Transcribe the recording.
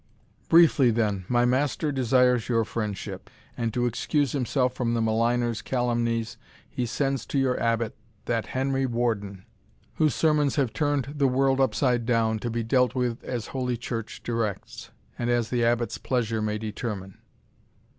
"Briefly, then my master desires your friendship; and to excuse himself from the maligner's calumnies, he sends to your Abbot that Henry Warden, whose sermons have turned the world upside down, to be dealt with as Holy Church directs, and as the Abbot's pleasure may determine."